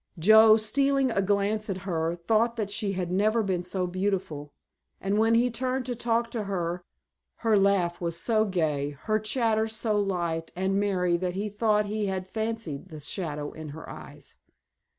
Joe, stealing a glance at her, thought that she had never been so beautiful; and when he turned to talk to her her laugh was so gay, her chatter so light and merry that he thought he had fancied the shadow in her eyes.